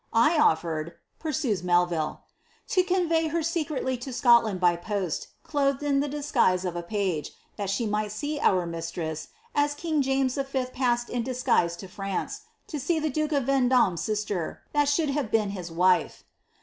I ofiered," pursues Melville, ^^ to convey Her secretly to Scotland by post, clothed in the disguise of a page, that she might see our mistress, as king James V. passed in disguise to France, to see the duke of Vendome's sister, that should have been his wife.